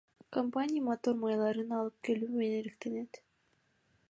Компания мотор майларын алып келүү менен алектенет.